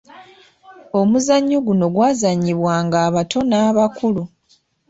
Omuzannyo guno gwazannyibwanga abato n’abakulu.